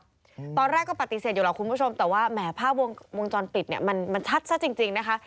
ตอนแรกก็ปฏิเสธอยู่แล้วคุณผู้ชมแต่ว่าแหม่ภาพวงจรปิดเนี่ยมันชัดจริงนะคะ